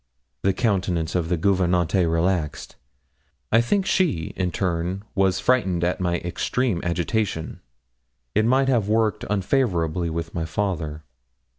The countenance of the gouvernante relaxed. I think she in turn was frightened at my extreme agitation. It might have worked unfavourably with my father.